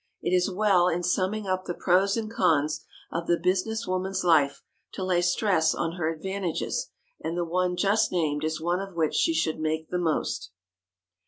It is well in summing up the pros and cons of the business woman's life to lay stress on her advantages, and the one just named is one of which she should make the most.